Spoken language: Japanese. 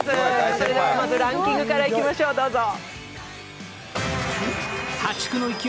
それではまずランキングからいきましょう、どうぞ。